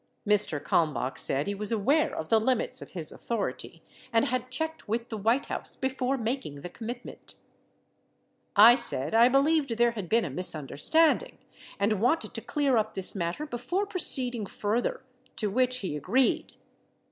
Mr. Kalmbach said he was aware of the limits of his au thority and had checked with the White House before mak ing the commitment. I said I believed there had been a misunderstanding, and wanted to clear up this matter before proceeding further, to which he agreed.